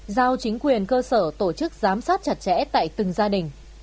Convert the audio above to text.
giao chính quyền cơ sở tổ chức giám sát chặt chẽ tại từng gia đình